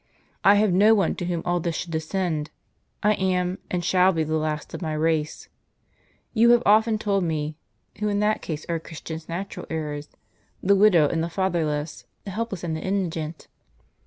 I have no one to whom all this should descend. I am, and shall be, the last of my race. Tou have often told me, who in that case are a Christian's natural heirs, — the widow and the fatherless, the helpless and the indigent.